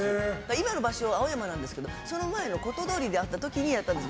今の場所、青山なんですけどその前の骨董通りにあった時にやったんです。